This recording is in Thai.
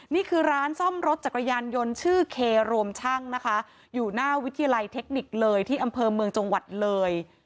นี่คือร้านซ่อมรถจักรยานยนต์ชื่อเครวมช่างนะคะอยู่หน้าวิทยาลัยเทคนิคเลยที่อำเภอเมืองจังหวัดเลย